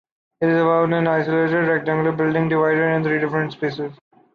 It’s about an isolated, rectangular building, divided in three different spaces.